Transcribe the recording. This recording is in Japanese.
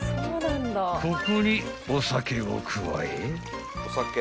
［ここにお酒を加え］